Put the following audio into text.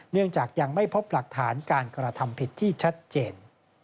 เนื่องจากยังไม่พบหลักฐานการกระทำผิดที่ชัดเจน